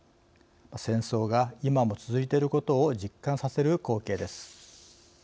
戦争が今も続いていることを実感させる光景です。